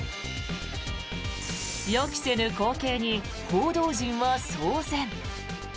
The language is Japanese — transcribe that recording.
予期せぬ光景に報道陣は騒然。